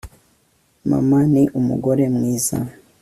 Mama ni umugore mwiza